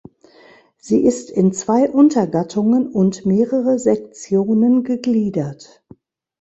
Sie ist in zwei Untergattungen und mehrere Sektionen gegliedert.